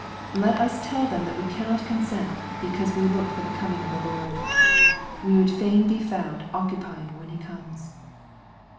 Let us tell them that we cannot consent, because we look for the coming of the Lord. We would fain be found " occupying*' when He comes.